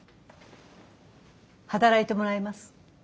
働いてもらいます。